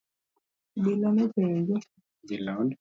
Obila nopenje.